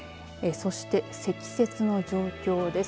そして、積雪の状況です。